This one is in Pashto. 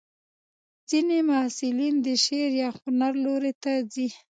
ځینې محصلین د شعر یا هنر لوري ته ځي.